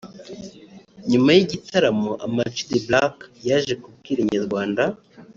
nyuma y'igitaramo Ama G The Black yaje kubwira Inyarwanda